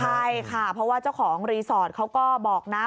ใช่ค่ะเพราะว่าเจ้าของรีสอร์ทเขาก็บอกนะ